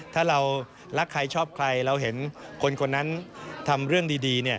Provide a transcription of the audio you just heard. ถ้าเรารักใครชอบใครเราเห็นคนคนนั้นทำเรื่องดี